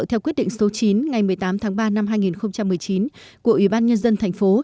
theo quyết định số chín ngày một mươi tám tháng ba năm hai nghìn một mươi chín của ủy ban nhân dân thành phố